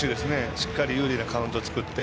しっかり有利なカウントを作って。